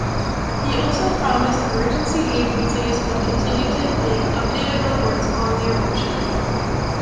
He also promised emergency agencies would continue to make updated reports on the eruption.